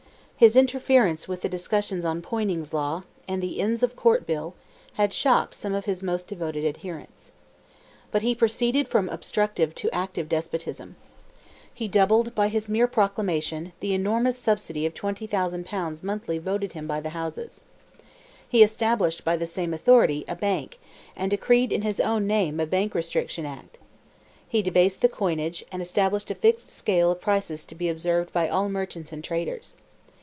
His interference with the discussions on Poyning's Law, and the Inns of Court bill, had shocked some of his most devoted adherents. But he proceeded from obstructive to active despotism. He doubled, by his mere proclamation, the enormous subsidy of 20,000 pounds monthly voted him by the Houses. He established, by the same authority, a bank, and decreed in his own name a bank restriction act. He debased the coinage, and established a fixed scale of prices to be observed by all merchants and traders.